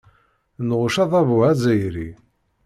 Nɣucc adabu azzayri.